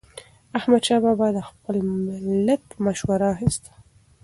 احمدشاه بابا به د خپل ملت مشوره اخیسته.